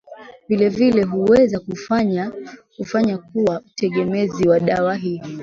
vilevile huweza kufanya kuwa tegemezi wa dawa hii